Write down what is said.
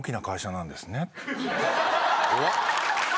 怖っ！